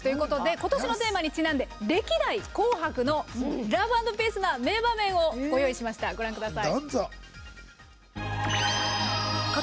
今年のテーマにちなんで歴代「紅白」の「ＬＯＶＥ＆ＰＥＡＣＥ」な名場面をご用意しました、ご覧ください。